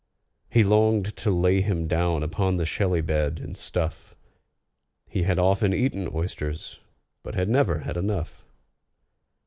He longed to lay him down upon the shelly bed, and stuff: He had often eaten oysters, but had never had enough.